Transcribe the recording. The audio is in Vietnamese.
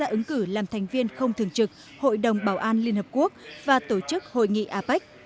canada ủng hộ việt nam ứng cử làm thành viên không thường trực hội đồng bảo an liên hợp quốc và tổ chức hội nghị apec